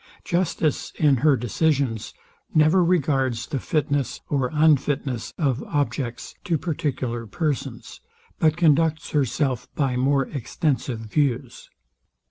Justice, in her decisions, never regards the fitness or unfitness of objects to particular persons, but conducts herself by more extensive views.